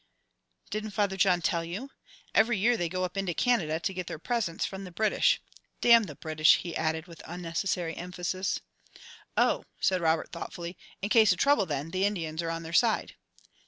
"Didn't Father John tell you? Every year they go up into Canada to get their presents from the British. Damn the British!" he added, with unnecessary emphasis. "Oh," said Robert, thoughtfully. "In case of trouble, then, the Indians are on their side."